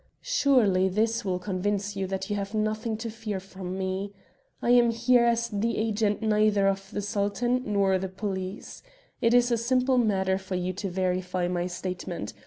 Surely this will convince you that you have nothing to fear from me. I am here as the agent neither of Sultan nor police. It is a simple matter for you to verify my statement.